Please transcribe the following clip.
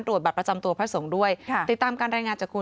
ตรวจบัตรประจำตัวพระสงฆ์ด้วยค่ะติดตามการรายงานจากคุณ